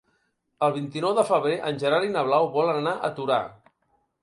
El vint-i-nou de febrer en Gerard i na Blau volen anar a Torà.